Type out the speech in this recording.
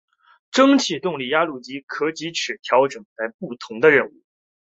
蒸气动力压路机可藉齿比调整来执行不同任务。